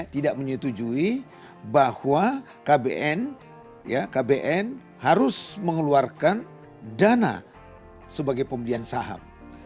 tidak menyetujui bahwa kbn harus mengeluarkan dana sebagai pembelian saham